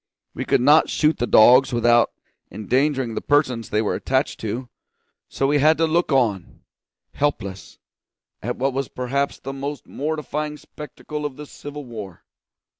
We could not shoot the dogs without endangering the persons they were attached to; so we had to look on, helpless, at what was perhaps the most mortifying spectacle of the civil war.